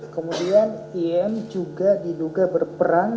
kemudian im juga diduga berperan